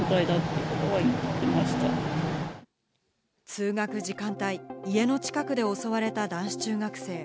通学時間帯、家の近くで襲われた男子中学生。